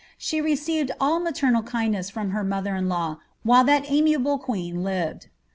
She received all maternal kindness from her mother in law, while that amiable queen lived.